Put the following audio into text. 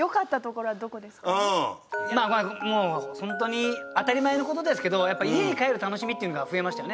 まあもうホントに当たり前の事ですけど家に帰る楽しみっていうのが増えましたよね